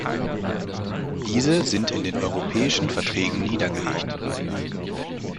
Diese sind in den Europäischen Verträgen niedergelegt.